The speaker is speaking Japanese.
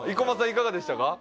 いかがでしたか？